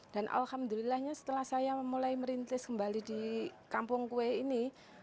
dan alhamdulillahnya setelah saya mulai merintis kembali di kampung kue ini